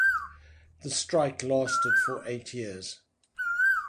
The strike lasted for eight years.